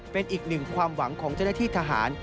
เป็นอีกหนึ่งความหวังของเจ้าหน้าที่ทหาร